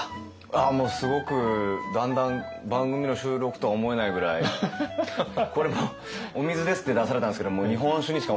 あっもうすごくだんだん番組の収録とは思えないぐらいこれも「お水です」って出されたんですけど日本酒ですよ？